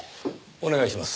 お願いします。